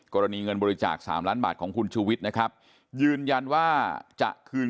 กรณีเงินบริจาค๓ล้านบาทของคุณช่วิตยืนยันว่าจะคืนเงินทั้งหมดให้กับคุณช่วิต